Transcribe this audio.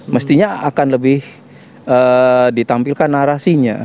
mestinya akan lebih ditampilkan narasinya